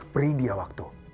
beri dia waktu